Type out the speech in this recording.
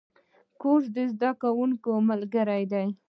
کورس د زده کوونکو ملګری دی.